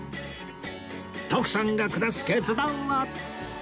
徳さんが下す決断は